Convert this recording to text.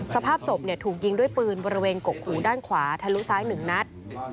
สภาพศพถูกยิงด้วยปืนบริเวณกกหูด้านขวาทะลุซ้าย๑นัด